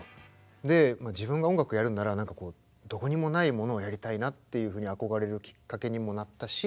で自分が音楽やるんならどこにもないものをやりたいなっていうふうに憧れるきっかけにもなったし